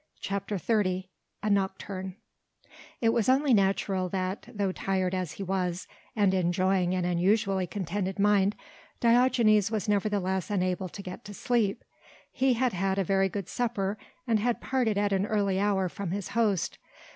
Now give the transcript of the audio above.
CHAPTER XXX A NOCTURNE It was only natural that, though tired as he was and enjoying an unusually contented mind, Diogenes was nevertheless unable to get to sleep. He had had a very good supper and had parted at an early hour from his host.